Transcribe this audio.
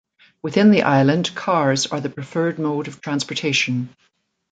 Within the island, cars are the preferred mode of transportation.